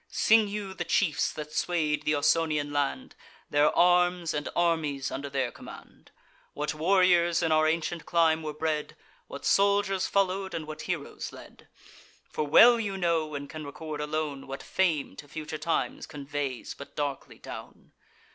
Sing you the chiefs that sway'd th' Ausonian land, Their arms, and armies under their command; What warriors in our ancient clime were bred; What soldiers follow'd, and what heroes led. For well you know, and can record alone, What fame to future times conveys but darkly down.